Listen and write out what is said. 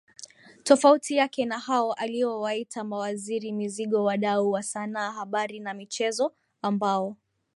tofauti yake na hao aliowaita mawaziri mizigoWadau wa sanaa habari na michezo ambao